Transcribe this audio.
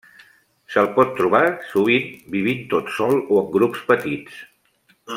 Se'l pot trobar sovint vivint tot sol o en grups petits.